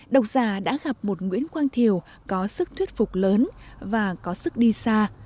độc giả đã gặp một nguyễn quang thiều có sức thuyết phục lớn và có sức đi xa